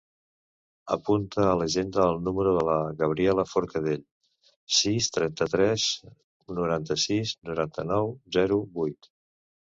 Apunta a l'agenda el número de la Gabriela Forcadell: sis, trenta-tres, noranta-sis, noranta-nou, zero, vuit.